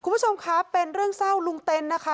คุณผู้ชมคะเป็นเรื่องเศร้าลุงเต็นนะคะ